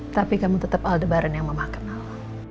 tapi kamu tetap aldebaran yang mama kenal